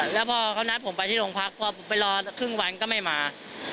แล้วพอเขานัดผมไปที่โรงพักพอผมไปรอครึ่งวันก็ไม่มา